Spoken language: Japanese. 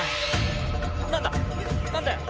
何だ？